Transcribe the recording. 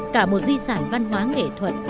cả một di sản văn hóa nghệ thuật